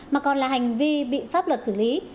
mà còn là hành vi bị pháp luật xử lý